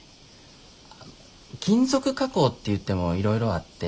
金属加工っていってもいろいろあって。